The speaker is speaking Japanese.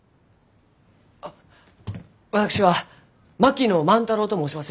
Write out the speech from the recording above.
あ私は槙野万太郎と申します。